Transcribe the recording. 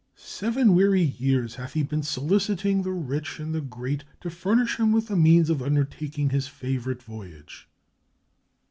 "Seven weary years hath he been soliciting the rich and the great to furnish him with the means of under taking his favorite voyage."